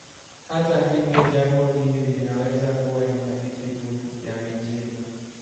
Hata hivyo, jambo hili linaweza kuwa ni hadithi tu ya mijini.